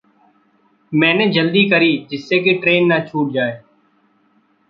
मैंने जल्दी करी जिससे कि ट्रेन न छूट जाए।